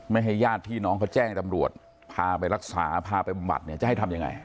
ให้ญาติพี่น้องเขาแจ้งตำรวจพาไปรักษาพาไปบำบัดเนี่ยจะให้ทำยังไง